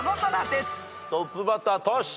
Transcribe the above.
トップバッタートシ。